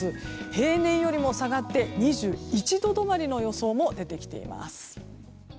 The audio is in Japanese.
平年よりも下がって２１度止まりの予想も出てきています。